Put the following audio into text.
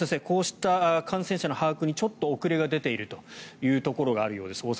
こうした感染者の把握にちょっと遅れが出ているというところがあるようです。